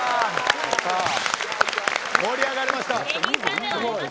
盛り上がりました。